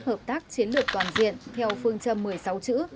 hợp tác chiến lược toàn diện theo phương châm một mươi sáu chữ